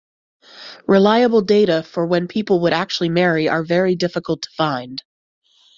Reliable data for when people would actually marry are very difficult to find.